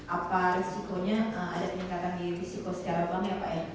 apa risikonya ada peningkatan biaya risiko secara bank ya pak ya